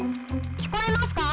「聞こえますか？